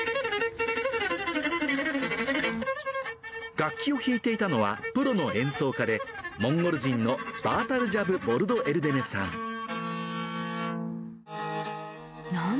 楽器を弾いていたのはプロの演奏家で、モンゴル人のバータルジャブ・ボルドエルデネさん。